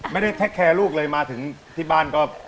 แท็กแคร์ลูกเลยมาถึงที่บ้านก็